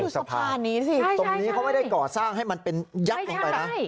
สะพานนี้สิตรงนี้เขาไม่ได้ก่อสร้างให้มันเป็นยักษ์ลงไปนะ